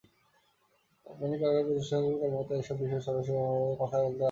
রপ্তানিকারক প্রতিষ্ঠানগুলোর কর্মকর্তারা এসব বিষয়ে সরাসরি সংবাদমাধ্যমের সঙ্গে কথা বলতে রাজি হননি।